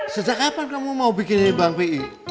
sejak kapan kamu mau bikin ini bang p i